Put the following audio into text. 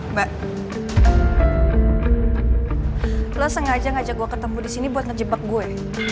mbak lo sengaja ngajak gue ketemu disini buat ngejebak gue